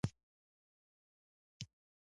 باز ډېر ښکلی بڼ لري